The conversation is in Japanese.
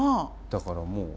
だからもう。